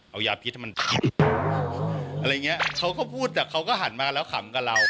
เอายาพิษให้มันขำอะไรอย่างเงี้ยเขาก็พูดแต่เขาก็หันมาแล้วขำกับเรา